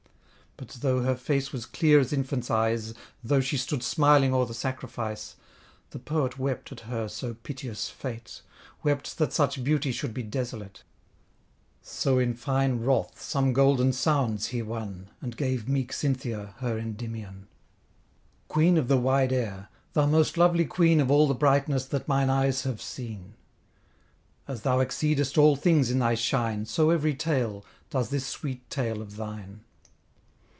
But though her face was clear as infant's eyes, Though she stood smiling o'er the sacrifice, The Poet wept at her so piteous fate, Wept that such beauty should be desolate: So in fine wrath some golden sounds he won, And gave meek Cynthia her Endymion. Queen of the wide air; thou most lovely queen Of all the brightness that mine eyes have seen! As thou exceedest all things in thy shine, So every tale, does this sweet tale of thine.